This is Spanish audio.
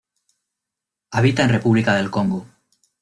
Habita en República del Congo.